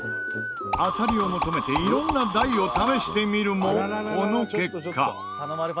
当たりを求めて色んな台を試してみるもこの結果。